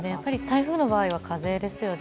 台風の場合、風ですね。